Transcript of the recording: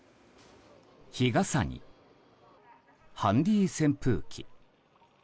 日傘に、ハンディー扇風機。